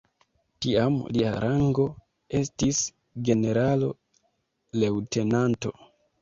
Tiam lia rango estis generalo-leŭtenanto.